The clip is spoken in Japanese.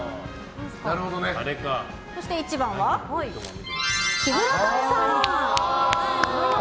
そして１番、木村多江さん。